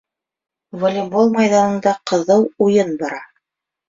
Волейбол майҙанында ҡыҙыу уйын бара.